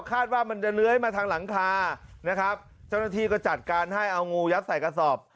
คาดว่ามันจะเลื้อยมาทางหลังคานะครับเจ้าหน้าที่ก็จัดการให้เอางูยัดใส่กระสอบ